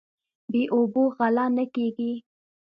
بې اوبو غله نه کیږي.